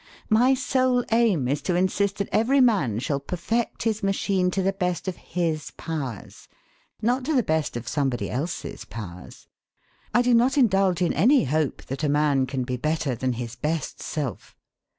My sole aim is to insist that every man shall perfect his machine to the best of his powers, not to the best of somebody else's powers. I do not indulge in any hope that a man can be better than his best self.